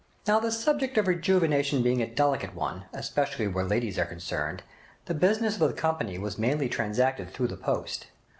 Now the subject of rejuvenation being a delicate one, especially where ladies are concerned, the business of the company was mainly transacted through the post.